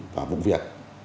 và vụ việc